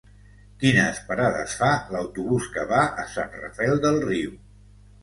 Quines parades fa l'autobús que va a Sant Rafel del Riu?